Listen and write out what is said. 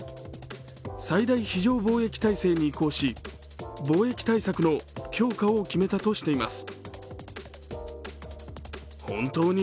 最大非常防疫体制に移行し防疫対策の強化を決めたとしています。